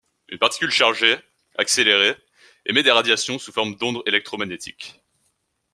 Une particule chargée, accélérée émet des radiations sous forme d'ondes électromagnétiques.